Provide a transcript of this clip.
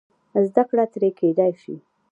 زده کړه ترې کېدای شي.